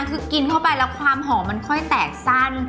คือกินเข้าไปแล้วความหอมมันค่อยแตกสั้น